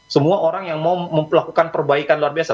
semua orang yang mau melakukan perbaikan luar biasa